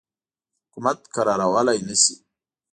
حکومت کرارولای نه شي.